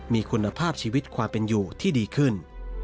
มีคุณภาพชีวิตความเป็นอยู่ที่ดีขึ้น